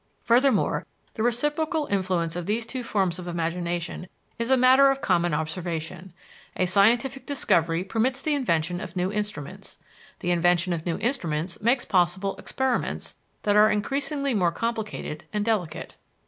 Furthermore, the reciprocal influence of these two forms of imagination is a matter of common observation: a scientific discovery permits the invention of new instruments; the invention of new instruments makes possible experiments that are increasingly more complicated and delicate.